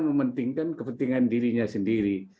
mementingkan kepentingan dirinya sendiri